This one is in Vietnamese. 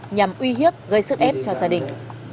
nhằm uy hiếp gây sức ép cho gia đình